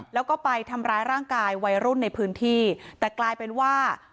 แล้วก็ไปทำร้ายร่างกายวัยรุ่นในพื้นที่แต่กลายเป็นว่า